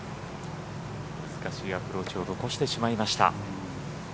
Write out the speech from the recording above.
難しいアプローチを残してしまいました。